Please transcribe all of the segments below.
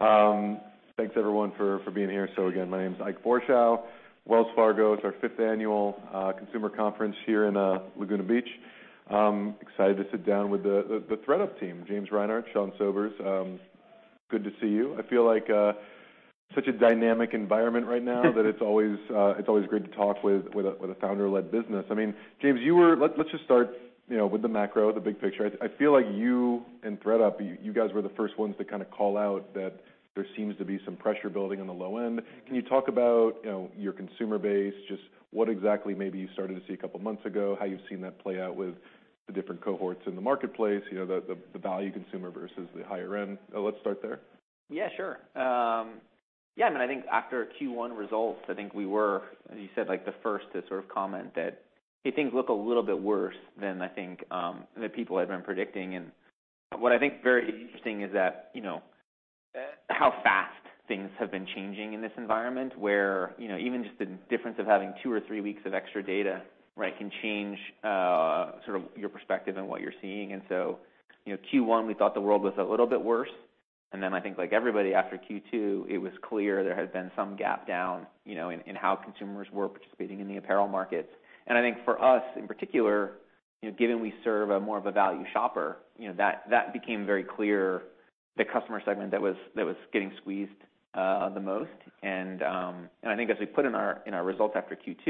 Thanks everyone for being here. Again, my name is Ike Boruchow. Wells Fargo, it's our fifth annual consumer conference here in Laguna Beach. I'm excited to sit down with the ThredUp team, James Reinhart, Sean Sobers. Good to see you. I feel like such a dynamic environment right now that it's always great to talk with a founder-led business. I mean, James, let's just start, you know, with the macro, the big picture. I feel like you and ThredUp, you guys were the first ones to kind of call out that there seems to be some pressure building on the low end. Can you talk about, you know, your consumer base, just what exactly maybe you started to see a couple of months ago, how you've seen that play out with the different cohorts in the marketplace, you know, the value consumer versus the higher end? Let's start there. Yeah, sure. Yeah, I mean, I think after Q1 results, I think we were, as you said, like the first to sort of comment that things look a little bit worse than I think, the people had been predicting. What I think is very interesting is that, you know, how fast things have been changing in this environment where, you know, even just the difference of having two or three weeks of extra data, right, can change, sort of your perspective on what you're seeing. You know, Q1, we thought the world was a little bit worse. Then I think like everybody after Q2, it was clear there had been some gap down, you know, in how consumers were participating in the apparel markets. I think for us, in particular, you know, given we serve a more of a value shopper, you know, that became very clear the customer segment that was getting squeezed, uh, the most. I think as we put in our results after Q2,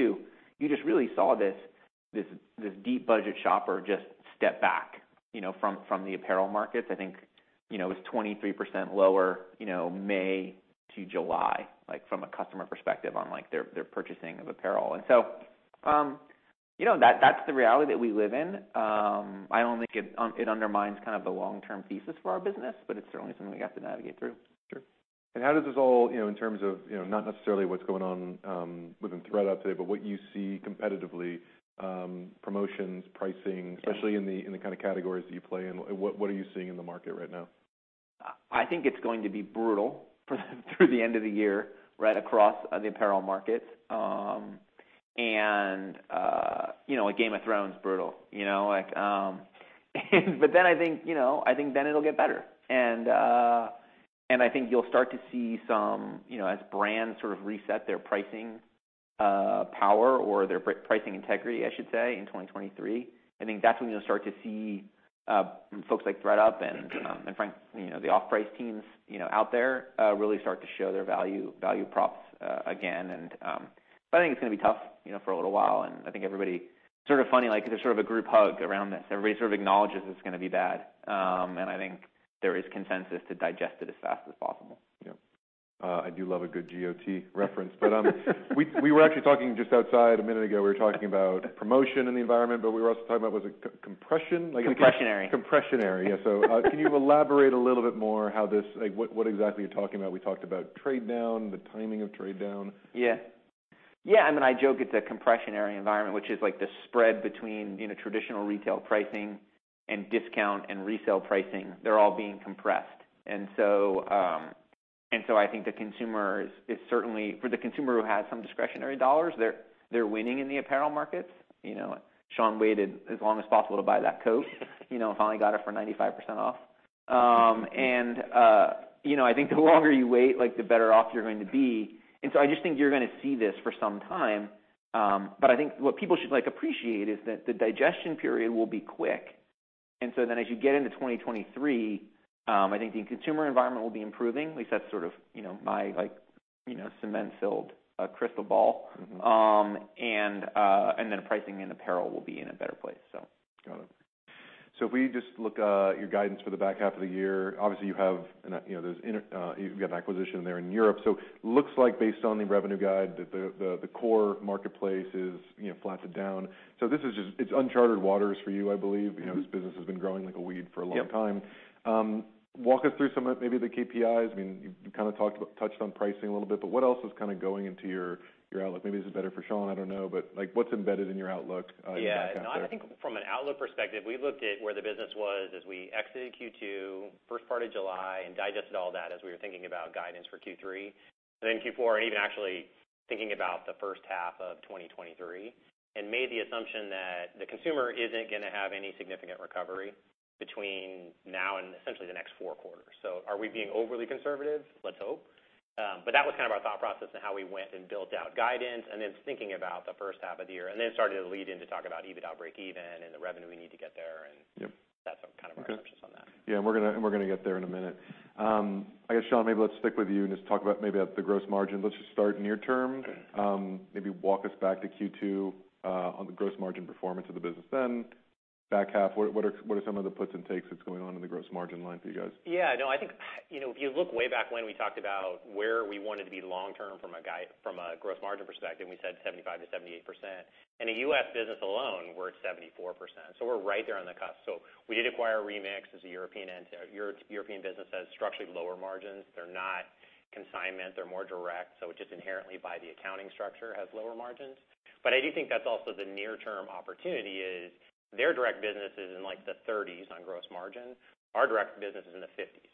you just really saw this deep budget shopper just step back, you know, from the apparel markets. I think, you know, it's 23% lower, you know, May to July, like, from a customer perspective on, like, their purchasing of apparel. That, that's the reality that we live in. It undermines kind of the long-term thesis for our business, but it's certainly something we have to navigate through. Sure. How does this all, you know, in terms of, you know, not necessarily what's going on within ThredUp today, but what you see competitively, promotions, pricing? Yeah. Especially in the kind of categories that you play in, what are you seeing in the market right now? I think it's going to be brutal for ThredUp through the end of the year, right across the apparel market, and you know, a Game of Thrones brutal, you know, like. Then I think you know, I think then it'll get better. I thinkyou'll start to see some you know, as brands sort of reset their pricing power or their pricing integrity, I should say, in 2023. I think that's when you'll start to see folks like ThredUp and frankly you know, the off-price teams you know out there really start to show their value props again. I think it's gonna be tough you know, for a little while, and I think everybody sort of funny, like, there's sort of a group hug around this. Everybody sort of acknowledges it's gonna be bad. I think there is consensus to digest it as fast as possible. Yeah. I do love a good GoT reference. We were actually talking just outside a minute ago, we were talking about promotion in the environment, but we were also talking about was it compression? Compressionary. Compressionary. Yeah. Can you elaborate a little bit more how this—like, what exactly you're talking about? We talked about trade-down, the timing of trade-down. Yeah. Yeah, I mean, I joke it's a compressionary environment, which is like the spread between, you know, traditional retail pricing and discount and resale pricing. They're all being compressed. I think the consumer is certainly for the consumer who has some discretionary dollars, they're winning in the apparel markets. You know, Sean waited as long as possible to buy that coat. You know, finally got it for 95% off. You know, I think the longer you wait, like, the better off you're going to be. I just think you're gonna see this for some time. I think what people should, like, appreciate is that the digestion period will be quick. As you get into 2023, I think the consumer environment will be improving. At least that's sort of, you know, my, like, you know, cement-filled crystal ball. Mm-hmm. Pricing and apparel will be in a better place. Got it. If we just look at your guidance for the back half of the year, obviously, you have, you know, you've got an acquisition there in Europe. Looks like based on the revenue guide, the core marketplace is, you know, flat to down. This is just, it's uncharted waters for you, I believe. Mm-hmm. You know, this business has been growing like a weed for a long time. Yep. Walk us through some of maybe the KPIs. I mean, you kinda touched on pricing a little bit, but what else is kinda going into your outlook? Maybe this is better for Sean, I don't know. Like, what's embedded in your outlook in the back half there? Yeah. No, I think from an outlook perspective, we looked at where the business was as we exited Q2, first part of July, and digested all that as we were thinking about guidance for Q3, and then Q4, and even actually thinking about the first half of 2023, and made the assumption that the consumer isn't gonna have any significant recovery between now and essentially the next four quarters. Are we being overly conservative? Let's hope. But that was kind of our thought process and how we went and built out guidance, and then thinking about the first half of the year, and then starting to lead in to talk about EBITDA breakeven and the revenue we need to get there. Yep. That's kind of our. Okay. Focus on that. Yeah, we're gonna get there in a minute. I guess, Sean, maybe let's stick with you and just talk about maybe at the gross margin. Let's just start near term. Maybe walk us back to Q2, on the gross margin performance of the business then. Back half, what are some of the puts and takes that's going on in the gross margin line for you guys? Yeah, no, I think, you know, if you look way back when we talked about where we wanted to be long-term from a gross margin perspective, we said 75%-78%. In the U.S. business alone, we're at 74%, so we're right there on the cusp. We did acquire Remix as a European end to our European business has structurally lower margins. They're not consignment, they're more direct, so it's just inherently by the accounting structure has lower margins. I do think that's also the near-term opportunity is. Their direct business is in, like, the 30s on gross margin. Our direct business is in the 50s.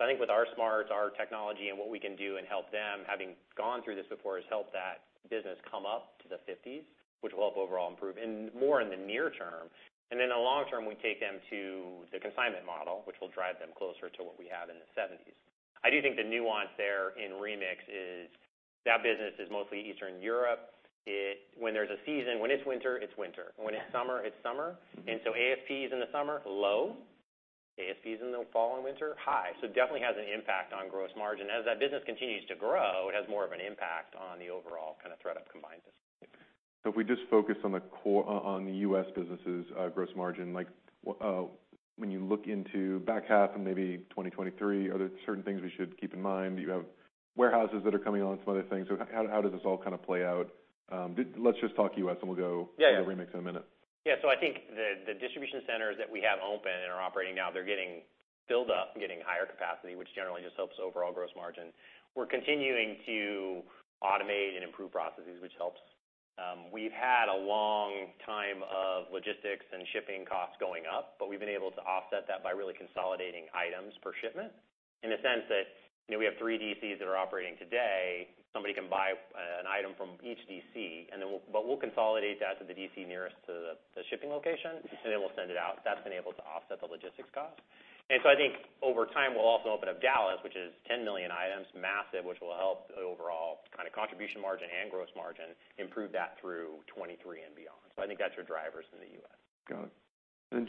I think with our smarts, our technology, and what we can do and help them, having gone through this before, has helped that business come up to the 50s%, which will help overall improve more in the near term. The long term, we take them to the consignment model, which will drive them closer to what we have in the 70s%. I do think the nuance there in Remix is. That business is mostly Eastern Europe. When there's a season, when it's winter, it's winter. Yeah. When it's summer, it's summer. Mm-hmm. AFPs in the summer, low. AFPs in the fall and winter, high. It definitely has an impact on gross margin. As that business continues to grow, it has more of an impact on the overall kind of ThredUp combined business. If we just focus on the U.S. businesses, gross margin, when you look into back half and maybe 2023, are there certain things we should keep in mind? Do you have warehouses that are coming on, some other things? How does this all kind of play out? Let's just talk U.S. and we'll go- Yeah, yeah. To Remix in a minute. Yeah. I think the distribution centers that we have open and are operating now, they're getting filled up and getting higher capacity, which generally just helps overall gross margin. We're continuing to automate and improve processes, which helps. We've had a long time of logistics and shipping costs going up, but we've been able to offset that by really consolidating items per shipment in a sense that, you know, we have 3 DCs that are operating today. Somebody can buy an item from each DC, and then we'll consolidate that to the DC nearest to the shipping location, and then we'll send it out. That's been able to offset the logistics cost. I think over time, we'll also open up Dallas, which is 10 million items, massive, which will help the overall kind of contribution margin and gross margin, improve that through 2023 and beyond. I think that's your drivers in the U.S. Got it.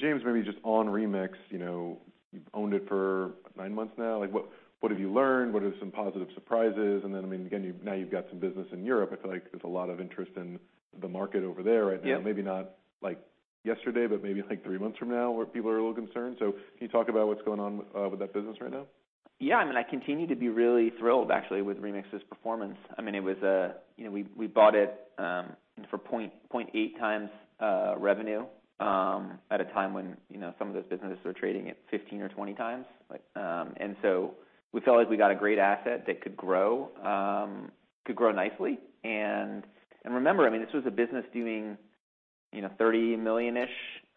James, maybe just on Remix, you know, you've owned it for nine months now. Like, what have you learned? What are some positive surprises? I mean, again, you, now you've got some business in Europe. I feel like there's a lot of interest in the market over there right now. Yeah. Maybe not like yesterday, but maybe like three months from now, where people are a little concerned. Can you talk about what's going on with that business right now? Yeah, I mean, I continue to be really thrilled actually with Remix's performance. I mean, you know, we bought it for 0.8x revenue at a time when, you know, some of those businesses were trading at 15x or 20x. Like, we felt like we got a great asset that could grow nicely. Remember, I mean, this was a business doing, you know, $30 million-ish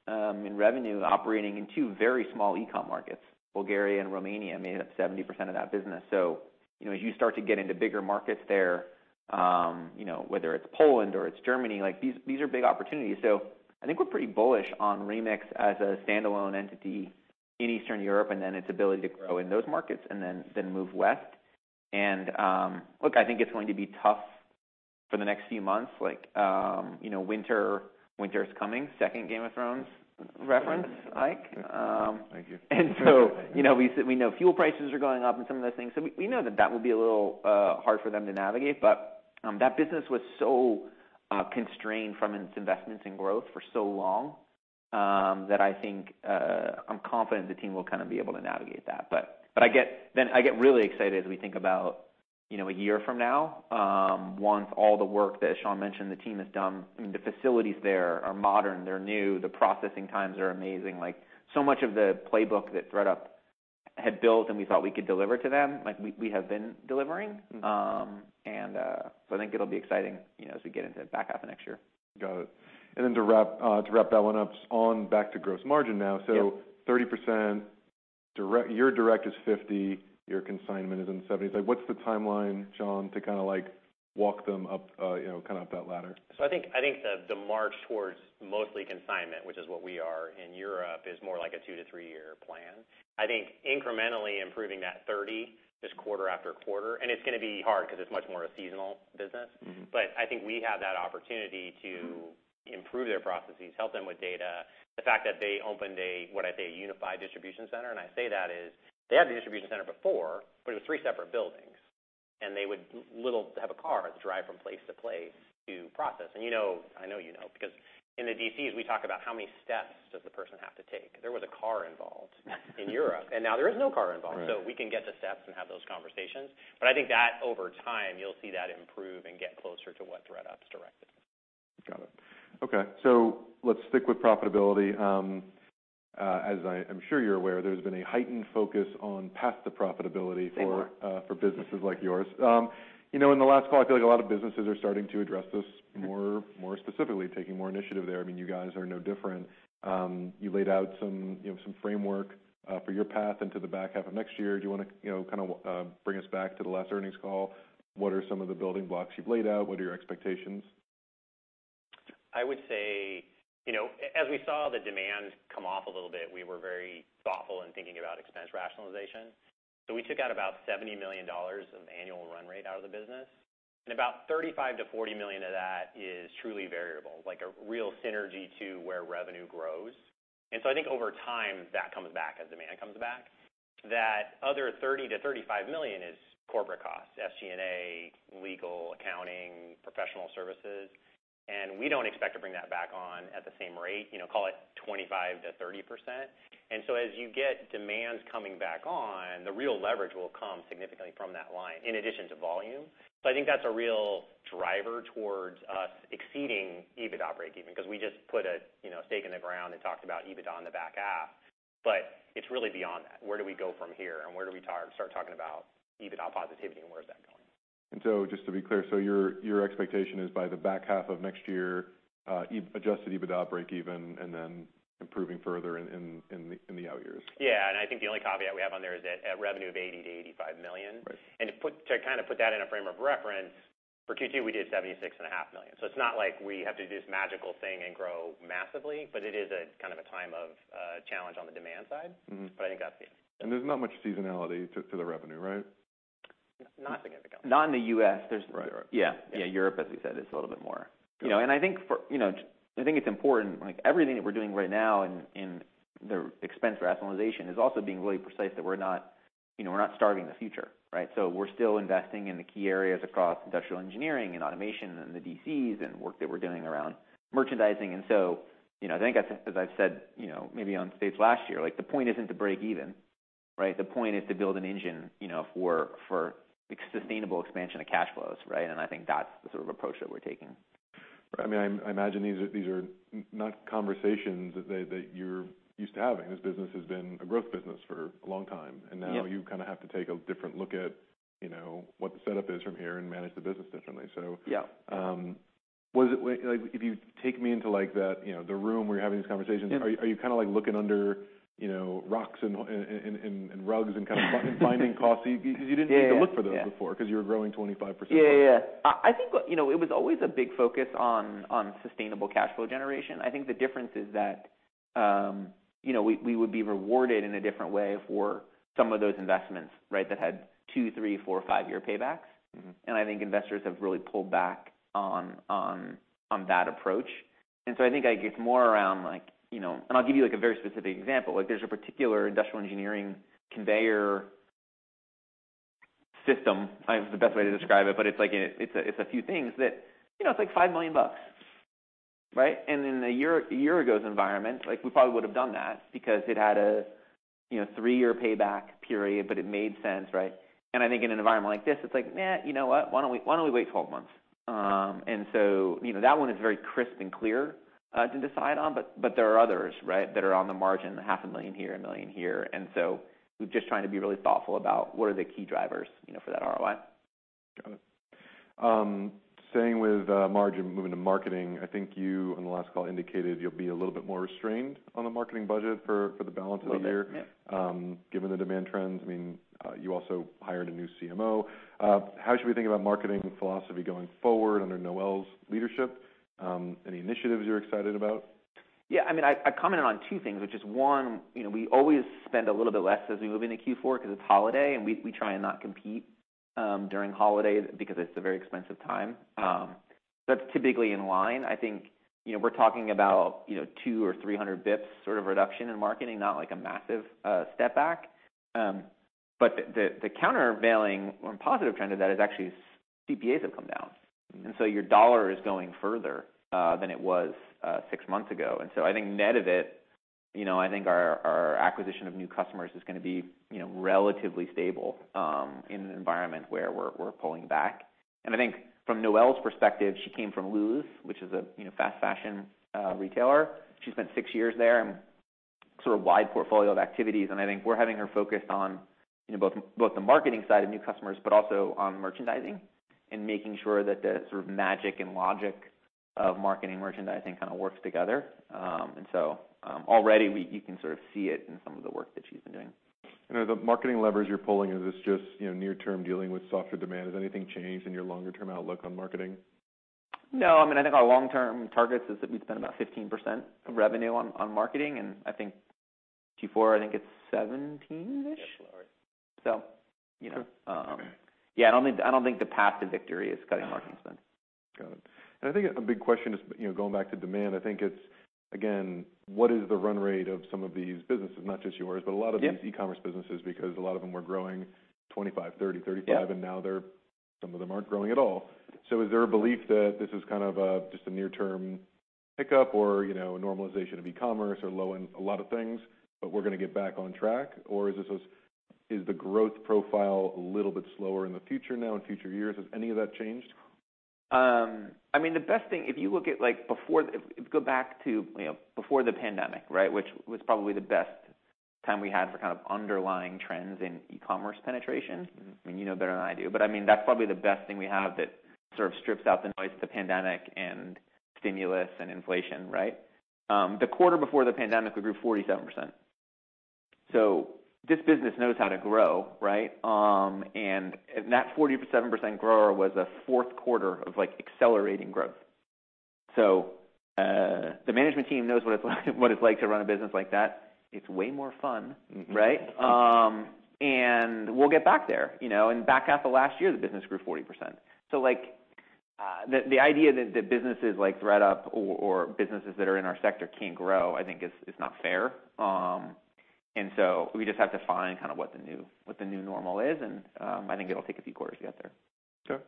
in revenue, operating in two very small e-com markets. Bulgaria and Romania made up 70% of that business. You know, as you start to get into bigger markets there, you know, whether it's Poland or it's Germany, like, these are big opportunities. I think we're pretty bullish on Remix as a standalone entity in Eastern Europe, and then its ability to grow in those markets and then move West. Look, I think it's going to be tough for the next few months, like, you know, winter is coming. Second Game of Thrones reference, Ike. Thank you. You know, we know fuel prices are going up and some of those things. We know that that will be a little hard for them to navigate. That business was so constrained from its investments in growth for so long, that I think I'm confident the team will kind of be able to navigate that. I get really excited as we think about, you know, a year from now, once all the work that Sean mentioned the team has done. I mean, the facilities there are modern, they're new, the processing times are amazing. Like, so much of the playbook that ThredUp had built and we thought we could deliver to them, like we have been delivering. I think it'll be exciting, you know, as we get into back half of next year. Got it. To wrap that one up, and back to gross margin now. Yeah. 30% direct. Your direct is 50, your consignment is in the 70s. Like what's the timeline, Sean, to kind of like walk them up, you know, kind of up that ladder? I think the march towards mostly consignment, which is what we are in Europe, is more like a two to three-year plan. I think incrementally improving that 30, just quarter after quarter. It's gonna be hard because it's much more a seasonal business. Mm-hmm. I think we have that opportunity to improve their processes, help them with data. The fact that they opened a, what I'd say, a unified distribution center, and I say that is they had the distribution center before, but it was three separate buildings, and they would literally have a car to drive from place to place to process. You know, I know you know, because in the DCs, we talk about how many steps does the person have to take. There was a car involved in Europe, and now there is no car involved. Right. We can get the steps and have those conversations. I think that over time, you'll see that improve and get closer to what ThredUp's direct is. Got it. Okay. Let's stick with profitability. As I am sure you're aware, there's been a heightened focus on path to profitability for. There has. For businesses like yours. You know, in the last call, I feel like a lot of businesses are starting to address this more specifically, taking more initiative there. I mean, you guys are no different. You laid out some framework for your path into the back half of next year. Do you wanna, you know, kind of, bring us back to the last earnings call? What are some of the building blocks you've laid out? What are your expectations? I would say, you know, as we saw the demand come off a little bit, we were very thoughtful in thinking about expense rationalization. We took out about $70 million of annual run rate out of the business, and about $35 million-$40 million of that is truly variable, like a real synergy to where revenue grows. I think over time, that comes back as demand comes back. That other $30 million-$35 million is corporate costs, SG&A, legal, accounting, professional services. We don't expect to bring that back on at the same rate, you know, call it 25%-30%. As you get demands coming back on, the real leverage will come significantly from that line in addition to volume. I think that's a real driver towards us exceeding EBITDA breakeven, 'cause we just put a, you know, stake in the ground and talked about EBITDA on the back half. It's really beyond that. Where do we go from here, and where do we start talking about EBITDA positivity and where is that going? Just to be clear, your expectation is by the back half of next year, adjusted EBITDA breakeven and then improving further in the out years. Yeah. I think the only caveat we have on there is at revenue of $80 million-$85 million. Right. To kind of put that in a frame of reference. For Q2, we did $76.5 million. It's not like we have to do this magical thing and grow massively, but it is a kind of a time of challenge on the demand side. Mm-hmm. I think that's the. There's not much seasonality to the revenue, right? Not significantly. Not in the U.S. Right. Europe. Yeah. Europe, as we said, is a little bit more. I think it's important, like, everything that we're doing right now in the expense rationalization is also being really precise that we're not starving the future, right? We're still investing in the key areas across industrial engineering and automation and the DCs and work that we're doing around merchandising. You know, I think as I've said, maybe on stage last year, like, the point isn't to break even, right? The point is to build an engine for sustainable expansion of cash flows, right? I think that's the sort of approach that we're taking. Right. I mean, I imagine these are not conversations that you're used to having. This business has been a growth business for a long time. Yeah. Now you kind of have to take a different look at, you know, what the setup is from here and manage the business differently, so. Yeah. Like, if you take me into, like, the, you know, the room where you're having these conversations. Yeah. Are you kind of like looking under you know rocks and rugs and kind of finding costs? You didn't need. Yeah, yeah. To look for those before 'cause you were growing 25%. Yeah, yeah. I think, you know, it was always a big focus on sustainable cash flow generation. I think the difference is that, you know, we would be rewarded in a different way for some of those investments, right? That had two-,three-,four-,five-year paybacks. Mm-hmm. I think investors have really pulled back on that approach. I think it's more around, like, you know. I'll give you, like, a very specific example. Like, there's a particular industrial engineering conveyor system, kind of the best way to describe it, but it's, like, it's a few things that, you know, it's like $5 million, right? In a year ago's environment, like, we probably would have done that because it had a, you know, three-year payback period, but it made sense, right? I think in an environment like this, it's like, nah, you know what? Why don't we wait 12 months? You know, that one is very crisp and clear to decide on, but there are others, right? That are on the margin, $ half a million here, $1 million here. We're just trying to be really thoughtful about what are the key drivers, you know, for that ROI. Got it. Staying with margin, moving to marketing. I think you, on the last call, indicated you'll be a little bit more restrained on the marketing budget for the balance of the year. Little bit, yeah. Given the demand trends, I mean, you also hired a new CMO. How should we think about marketing philosophy going forward under Noelle's leadership? Any initiatives you're excited about? Yeah. I mean, I commented on two things, which is, one, you know, we always spend a little bit less as we move into Q4 'cause it's holiday, and we try and not compete during holidays because it's a very expensive time. That's typically in line. I think, you know, we're talking about, you know, 200 or 300 basis points sort of reduction in marketing, not like a massive step back. The countervailing or positive trend to that is actually CPAs have come down, and so your dollar is going further than it was six months ago. I think net of it, you know, I think our acquisition of new customers is gonna be, you know, relatively stable in an environment where we're pulling back. I think from Noelle's perspective, she came from Lulus, which is a, you know, fast fashion retailer. She spent six years there and sort of wide portfolio of activities. I think we're having her focus on, you know, both the marketing side of new customers, but also on merchandising and making sure that the sort of magic and logic of marketing and merchandising kind of works together. Already you can sort of see it in some of the work that she's been doing. You know, the marketing levers you're pulling, is this just, you know, near-term dealing with softer demand? Has anything changed in your longer-term outlook on marketing? No, I mean, I think our long-term targets is that we'd spend about 15% of revenue on marketing, and I think Q4, I think it's 17%-ish. Yeah. You know. Sure. Okay. Yeah, I don't think the path to victory is cutting marketing spend. Got it. I think a big question is, you know, going back to demand. I think it's, again, what is the run rate of some of these businesses, not just yours. Yeah A lot of these e-commerce businesses, because a lot of them were growing 25%, 30%, 35%. Yeah. Now they're, some of them aren't growing at all. Is there a belief that this is kind of just a near-term hiccup or, you know, a normalization of e-commerce or low end, a lot of things, but we're gonna get back on track? Is the growth profile a little bit slower in the future now, in future years? Has any of that changed? I mean, the best thing, if you look at, like, before, if you go back to, you know, before the pandemic, right? Which was probably the best time we had for kind of underlying trends in e-commerce penetration. Mm-hmm. I mean, you know better than I do, but I mean, that's probably the best thing we have that sort of strips out the noise of the pandemic and stimulus and inflation, right? The quarter before the pandemic, we grew 47%. This business knows how to grow, right? That 47% growth was a fourth quarter of, like, accelerating growth. The management team knows what it's like to run a business like that. It's way more fun, right? Mm-hmm. We'll get back there, you know. In the back half of last year, the business grew 40%. Like, the idea that the businesses like ThredUp or businesses that are in our sector can't grow, I think is not fair. We just have to find kind of what the new normal is, and I think it'll take a few quarters to get there. Sure.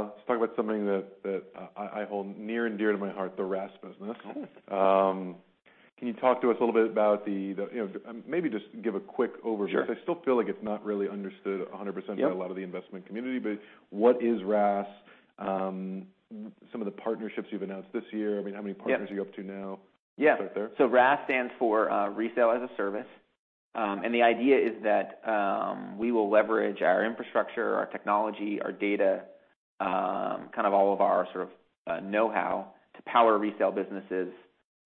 Let's talk about something that I hold near and dear to my heart, the RaaS business. Oh. Can you talk to us a little bit about the, you know, maybe just give a quick overview. Sure. 'Cause I still feel like it's not really understood 100%. Yep. by a lot of the investment community. What is RaaS? Some of the partnerships you've announced this year. I mean, how many partners? Yeah. Are you up to now? Yeah. Start there. RaaS stands for Resale as a Service. The idea is that we will leverage our infrastructure, our technology, our data, kind of all of our sort of know-how to power resale businesses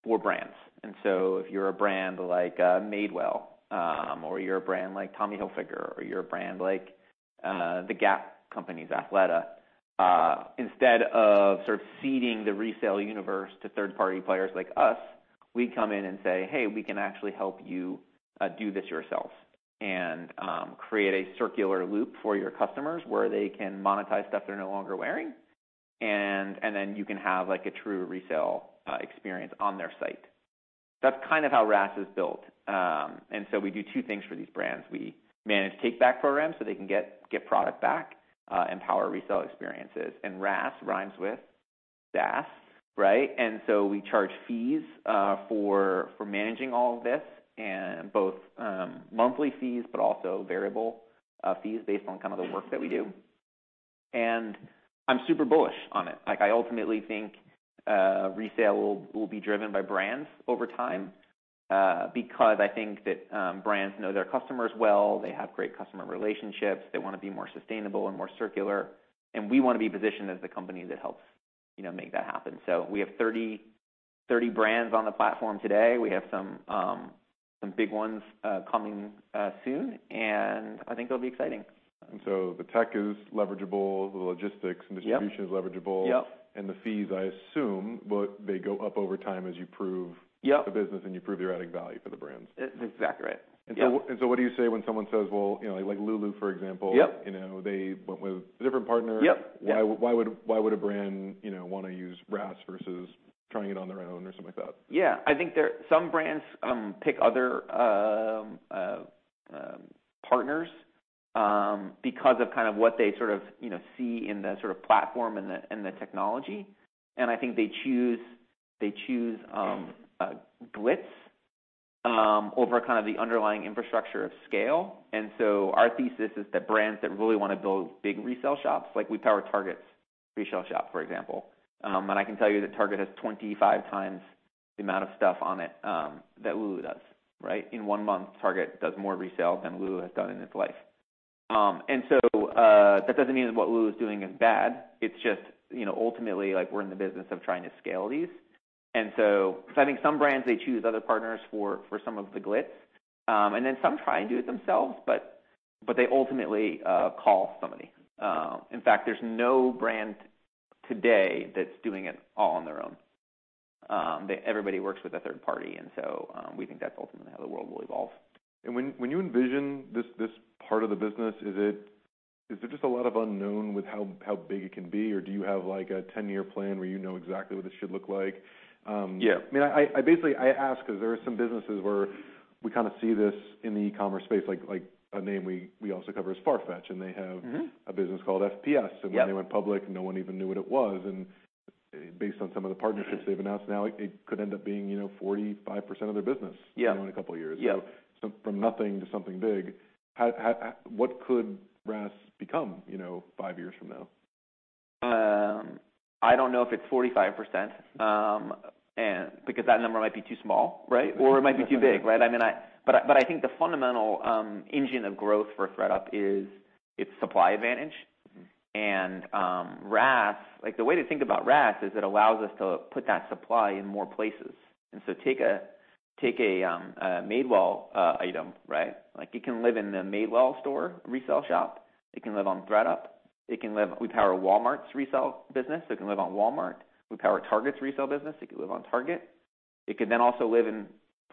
for brands. If you're a brand like Madewell, or you're a brand like Tommy Hilfiger, or you're a brand like Gap Inc.'s Athleta, instead of sort of seeding the resale universe to third-party players like us, we come in and say, "Hey, we can actually help you do this yourself and create a circular loop for your customers where they can monetize stuff they're no longer wearing, and then you can have like a true resale experience on their site." That's kind of how RaaS is built. We do two things for these brands. We manage take-back programs, so they can get product back and power resale experiences. RaaS rhymes with SaaS, right? We charge fees for managing all of this and both monthly fees but also variable fees based on kind of the work that we do. I'm super bullish on it. Like, I ultimately think resale will be driven by brands over time because I think that brands know their customers well, they have great customer relationships, they wanna be more sustainable and more circular, and we wanna be positioned as the company that helps you know make that happen. We have 30 brands on the platform today. We have some big ones coming soon, and I think it'll be exciting. The tech is leverageable, the logistics. Yep. Distribution is leverageable. Yep. The fees, I assume, they go up over time as you prove. Yep. the business and you prove you're adding value for the brands. Exactly right. Yeah. What do you say when someone says, well, you know, like Lululemon, for example? Yep. You know, they went with a different partner. Yep. Yep. Why would a brand, you know, wanna use RaaS versus trying it on their own or something like that? Yeah. I think some brands pick other partners because of kind of what they sort of, you know, see in the sort of platform and the technology. I think they choose Trove over kind of the underlying infrastructure of scale. Our thesis is that brands that really wanna build big resale shops, like we power Target's resale shop, for example. I can tell you that Target has 25x the amount of stuff on it that Lululemon does, right? In one month, Target does more resale than Lululemon has done in its life. That doesn't mean that what Lululemon is doing is bad, it's just, you know, ultimately, like, we're in the business of trying to scale these. I think some brands, they choose other partners for some of the Trove. Some try and do it themselves, but they ultimately call somebody. In fact, there's no brand today that's doing it all on their own, that everybody works with a third party, and so we think that's ultimately how the world will evolve. When you envision this part of the business, is it just a lot of unknown with how big it can be, or do you have like a 10-year plan where you know exactly what this should look like? Yeah. I mean, I basically ask 'cause there are some businesses where we kinda see this in the e-commerce space, like, a name we also cover is Farfetch, and they have. Mm-hmm. A business called FPS. Yep. When they went public, no one even knew what it was. Based on some of the partnerships they've announced now, it could end up being, you know, 45% of their business. Yeah. In a couple of years. Yeah. From nothing to something big, how? What could RaaS become, you know, five years from now? I don't know if it's 45%, and because that number might be too small, right? Or it might be too big, right? I mean, but I think the fundamental engine of growth for ThredUp is its supply advantage. Mm-hmm. RaaS, like the way to think about RaaS is it allows us to put that supply in more places. Take a Madewell item, right? Like it can live in the Madewell store resale shop. It can live on ThredUp. It can live. We power Walmart's resale business, so it can live on Walmart. We power Target's resale business, so it could live on Target. It could then also live in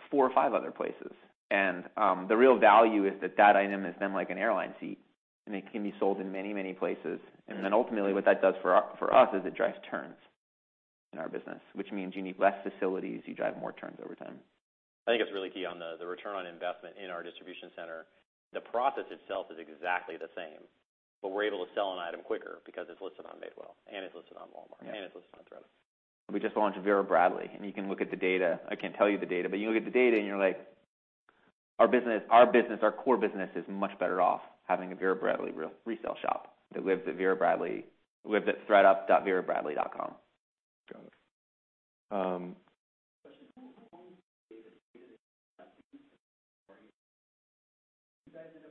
four or five other places. The real value is that that item is then like an airline seat, and it can be sold in many, many places. Right. Ultimately what that does for us is it drives turns in our business, which means you need less facilities, you drive more turns over time. I think it's really key on the return on investment in our distribution center. The process itself is exactly the same, but we're able to sell an item quicker because it's listed on Madewell, and it's listed on Walmart. Yeah. It's listed on ThredUp. We just launched Vera Bradley, and you can look at the data. I can't tell you the data, but you look at the data and you're like, our business, our core business is much better off having a Vera Bradley resale shop that lives at Vera Bradley verabradley.thredup.com. Got it. Question. You guys end up owning all the data and offer that data?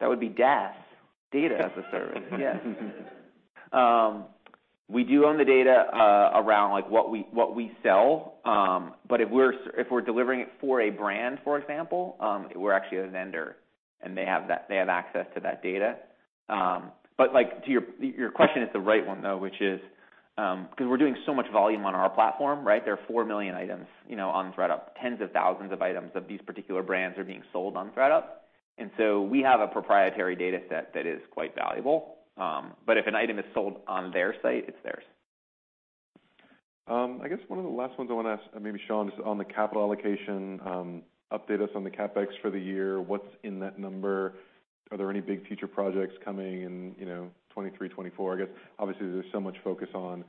That would be DaaS, data as a service. Yes. We do own the data around, like, what we sell. But if we're delivering it for a brand, for example, we're actually a vendor, and they have access to that data. But, like, to your question is the right one, though, which is, 'cause we're doing so much volume on our platform, right? There are 4 million items, you know, on ThredUp. Tens of thousands of items of these particular brands are being sold on ThredUp. We have a proprietary data set that is quite valuable. But if an item is sold on their site, it's theirs. I guess one of the last ones I wanna ask, and maybe Sean, just on the capital allocation, update us on the CapEx for the year. What's in that number? Are there any big future projects coming in, you know, 2023, 2024? I guess obviously there's so much focus on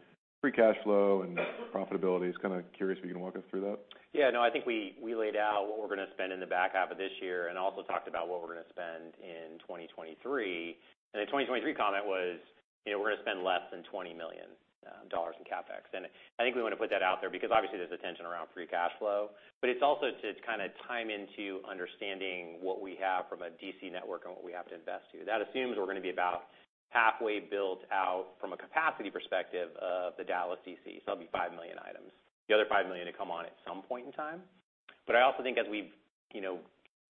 free cash flow and profitability. Just kinda curious if you can walk us through that. Yeah, no, I think we laid out what we're gonna spend in the back half of this year and also talked about what we're gonna spend in 2023. The 2023 comment was, you know, we're gonna spend less than $20 million. Dollars in CapEx. I think we want to put that out there because obviously there's a tension around free cash flow, but it's also to kind of time into understanding what we have from a D.C. network and what we have to invest to. That assumes we're gonna be about halfway built out from a capacity perspective of the Dallas D.C. That'll be 5 million items. The other 5 million will come on at some point in time. I also think as we've, you know,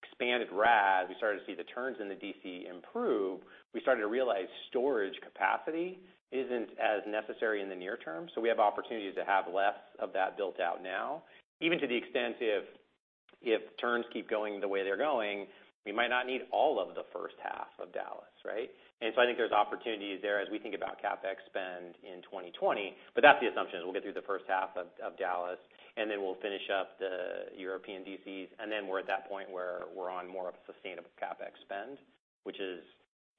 expanded RaaS, we started to see the turns in the D.C. improve. We started to realize storage capacity isn't as necessary in the near term, so we have opportunities to have less of that built out now. Even to the extent if turns keep going the way they're going, we might not need all of the first half of Dallas, right? I think there's opportunities there as we think about CapEx spend in 2020. That's the assumption, we'll get through the first half of Dallas, and then we'll finish up the European DCs, and then we're at that point where we're on more of a sustainable CapEx spend, which is,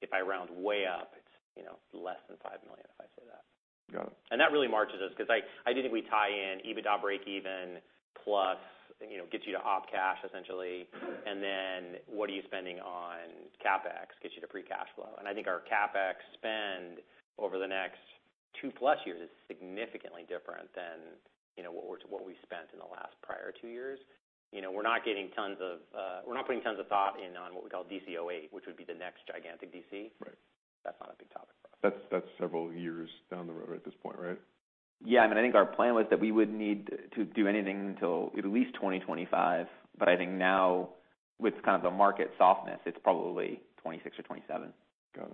if I round way up, it's, you know, less than $5 million if I say that. Got it. That really marches us, 'cause I think we tie in EBITDA breakeven plus, you know, gets you to op cash essentially, and then what are you spending on CapEx gets you to free cash flow. I think our CapEx spend over the next two plus Years is significantly different than, you know, what we spent in the last prior two years. You know, we're not putting tons of thought in on what we call DC08, which would be the next gigantic D.C. Right. That's not a big topic for us. That's several years down the road at this point, right? Yeah. I mean, I think our plan was that we wouldn't need to do anything until at least 2025. I think now, with kind of the market softness, it's probably 2026 or 2027. Got it.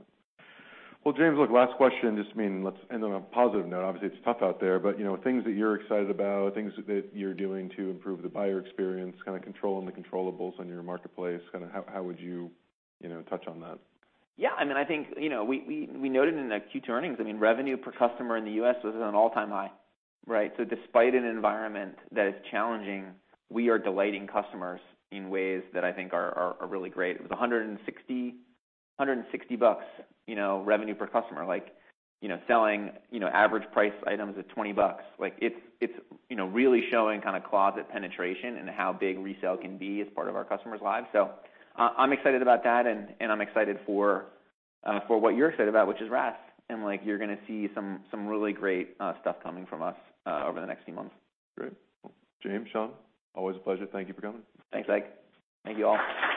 Well, James, look, last question. Just, I mean, let's end on a positive note. Obviously, it's tough out there, but, you know, things that you're excited about, things that you're doing to improve the buyer experience, kind of controlling the controllables on your marketplace, kind of how would you know, touch on that? Yeah, I mean, I think, you know, we noted in the Q2 earnings, I mean, revenue per customer in the US was at an all-time high, right? So despite an environment that is challenging, we are delighting customers in ways that I think are really great. It was $160, you know, revenue per customer. Like, you know, selling, you know, average price items at $20. Like it's, you know, really showing kind of closet penetration and how big resale can be as part of our customers' lives. So I'm excited about that and I'm excited for what you're excited about, which is RaaS. Like, you're gonna see some really great stuff coming from us over the next few months. Great. Well, James, Sean, always a pleasure. Thank you for coming. Thanks, Ike. Thank you all.